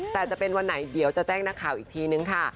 แต่จะเป็นวันไหนเดี๋ยวจะแจ้งนักข่าวอีกทีนึงค่ะ